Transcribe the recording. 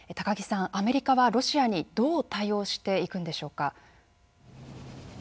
アメリカはロシアにどう対応していくんでしょうか？